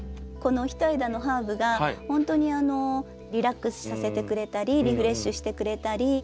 この一枝のハーブがほんとにリラックスさせてくれたりリフレッシュしてくれたり